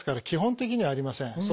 基本的にはありません。